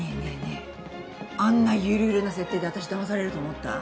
えあんなゆるゆるな設定で私だまされると思った？